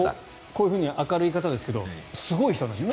こういうふうに明るい方ですけどすごいんです。